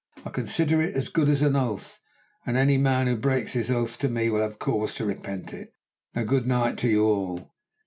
I consider it as good as an oath, and any man who breaks his oath to me will have cause to repent it. Now, good night to you all."